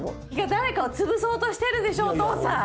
誰かを潰そうとしてるでしょお父さん。